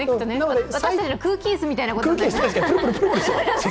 私たちの空気椅子みたいなことですよね？